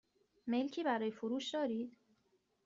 ملکی برای فروش دارید؟